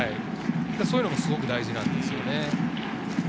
そういうのもすごく大事なんですよね。